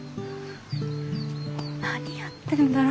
何やってんだろ。